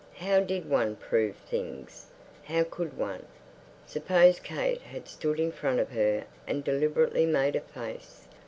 How did one prove things, how could one? Suppose Kate had stood in front of her and deliberately made a face.